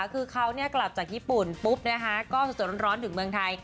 คือเขากลับจากญี่ปุ่นปุ๊บนะคะก็สดร้อนถึงเมืองไทย